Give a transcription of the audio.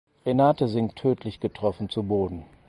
Renate sinkt tödlich getroffen zu Boden.